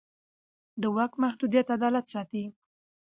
د واک محدودیت عدالت ساتي